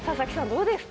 どうですか？